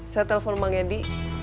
saya telfon bang edi